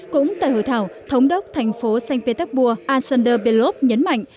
cũng tại hội thảo thống đốc thành phố sankt petersburg alexander belov nhấn mạnh